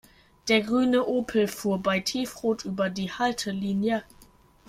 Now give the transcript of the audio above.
Der grüne Opel fuhr bei Tiefrot über die Haltelinie.